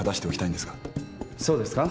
そうですか。